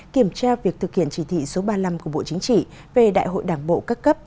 kiểm tra việc thực hiện chỉ thị số ba mươi năm của bộ chính trị về đại hội đảng bộ các cấp